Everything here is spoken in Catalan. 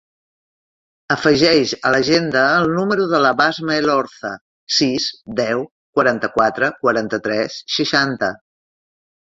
Afegeix a l'agenda el número de la Basma Elorza: sis, deu, quaranta-quatre, quaranta-tres, seixanta.